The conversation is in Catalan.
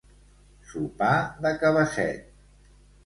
Sopar de cabasset.